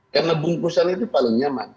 karena bungkusan itu paling nyaman